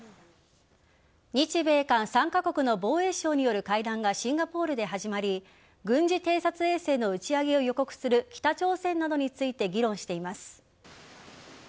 日米韓３カ国の防衛相による会談がシンガポールで始まり軍事偵察衛星の打ち上げを予告する、北朝鮮などについて議論しています。